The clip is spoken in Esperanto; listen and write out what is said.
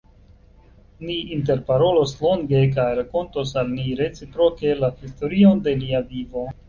Ni interparolos longe kaj rakontos al ni reciproke la historion de nia vivo.